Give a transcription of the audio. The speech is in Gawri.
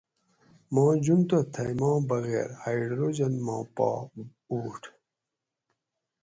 ما جوند تہ تھئ ما بغیر ہائڈروجن ما پا اُبوُٹ